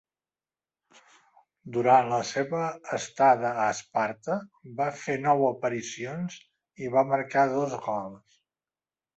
Durant la seva estada a Esparta va fer nou aparicions i va marcar dos gols.